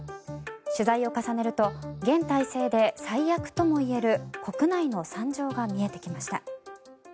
取材を重ねると現体制で最悪ともいえる国内の惨状が見えてきました。